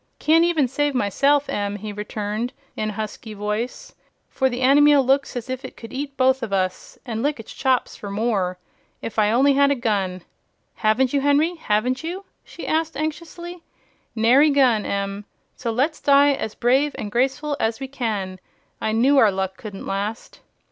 "Can't even save myself, Em," he returned, in a husky voice, "for the animile looks as if it could eat both of us an' lick its chops for more! If I only had a gun " "Haven't you, Henry? Haven't you?" she asked anxiously. "Nary gun, Em. So let's die as brave an' graceful as we can. I knew our luck couldn't last!"